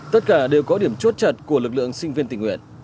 tất cả đều có điểm chốt chặn của lực lượng sinh viên tình nguyện